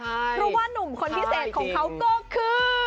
เพราะว่านุ่มคนพิเศษของเขาก็คือ